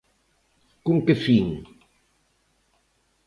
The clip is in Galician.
¿Con que fin?